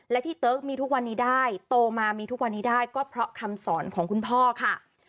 และที่เติ๊กมีทุกวันนี้ได้โตมามีทุกวันนี้ได้ก็เพราะคำสอนของคุณพ่อค่ะ